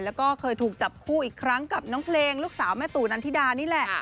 แล้วก็เคยถูกจับคู่อีกครั้งกับน้องเพลงลูกสาวแม่ตู่นันทิดานี่แหละ